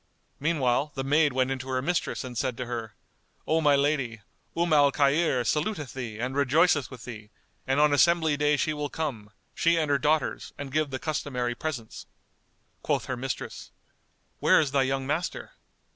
Meanwhile, the maid went in to her mistress and said to her, "O my lady, Umm al Khayr saluteth thee and rejoiceth with thee and on assembly day she will come, she and her daughters, and give the customary presents." Quoth her mistress, "Where is thy young master?"